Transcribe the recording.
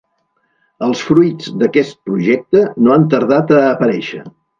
Els fruits d'aquest projecte no han tardat a aparèixer.